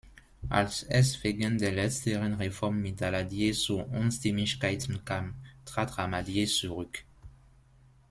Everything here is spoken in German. Als es wegen der letzteren Reform mit Daladier zu Unstimmigkeiten kam, trat Ramadier zurück.